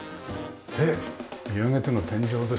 で見上げての天井ですけども。